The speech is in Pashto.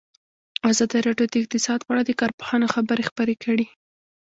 ازادي راډیو د اقتصاد په اړه د کارپوهانو خبرې خپرې کړي.